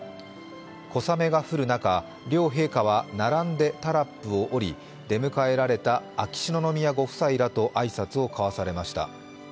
小雨が降る中、両陛下は並んでタラップを降り、出迎えられた秋篠宮ご夫妻らと挨拶を交わされました。